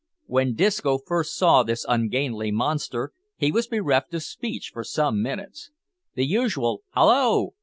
When Disco first saw this ungainly monster he was bereft of speech for some minutes. The usual "Hallo!"